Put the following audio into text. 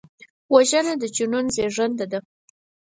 وژنه د جنون زیږنده ده